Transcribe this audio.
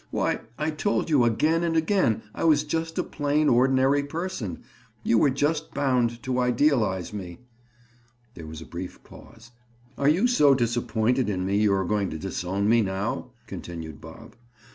Why, I told you again and again I was just a plain ordinary person. You were just bound to idealize me!" There was a brief pause. "Are you so disappointed in me, you are going to disown me now?" continued Bob.